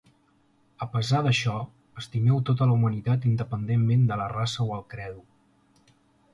A pesar d'això, estimeu tota la humanitat independentment de la raça o el credo.